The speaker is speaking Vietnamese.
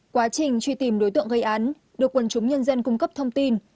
quá trình truy tìm đối tượng gây án được quần chúng nhân dân cung cấp thông tin